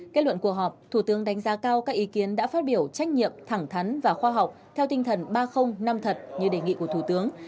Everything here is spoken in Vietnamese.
kết luận cuộc họp thủ tướng đánh giá cao các ý kiến đã phát biểu trách nhiệm thẳng thắn và khoa học theo tinh thần ba năm thật như đề nghị của thủ tướng